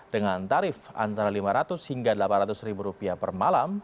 dengan tarif antara lima ratus hingga delapan ratus ribu rupiah per malam